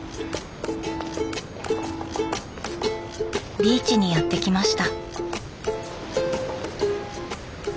ビーチにやって来ました。